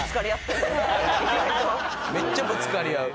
めっちゃぶつかり合う。